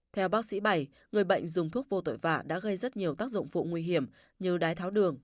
theo bác sĩ bảy người bệnh dùng thuốc vô tội vạ đã gây rất nhiều tác dụng phụ nguy hiểm như đái tháo đường